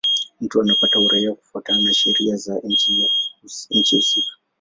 Mtu anapata uraia kufuatana na sheria za nchi husika.